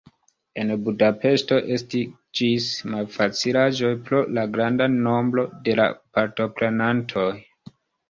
En Budapeŝto estiĝis malfacilaĵoj pro la granda nombro de la partoprenantoj.